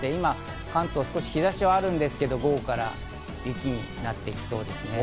関東、今、日差しはあるんですけど、午後から雪になってきそうです。